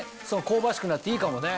香ばしくなっていいかもね。